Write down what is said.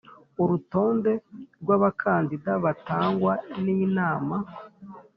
urutonde rw abakandida batangwa n Inama